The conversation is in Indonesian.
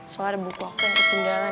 soal ada buku aku yang ketinggalan